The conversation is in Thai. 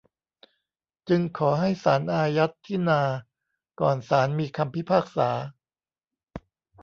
จึงขอให้ศาลอายัดที่นา ก่อนศาลมีคำพิพากษา